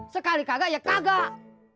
sekali kagak ya kagak